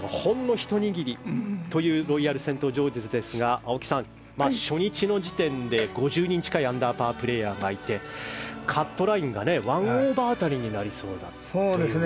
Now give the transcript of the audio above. ひと握りというロイヤルセントジョージズですが青木さん、初日の時点で５０人近いアンダーパープレーヤーがいてカットラインが１オーバー辺りになりそうだということですね。